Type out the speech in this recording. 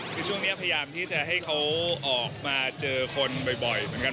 คือช่วงนี้พยายามที่จะให้เขาออกมาเจอคนบ่อยเหมือนกัน